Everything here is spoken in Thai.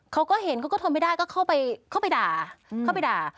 เขาก็เห็นเขาก็ทำไม่ได้ก็เข้าไปด่า